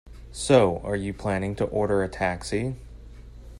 So, are you planning to order a taxi?